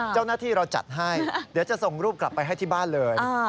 เจ้าหน้าที่เราจัดให้เดี๋ยวจะส่งรูปกลับไปให้ที่บ้านเลย